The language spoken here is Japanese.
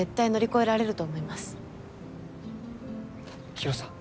広瀬さん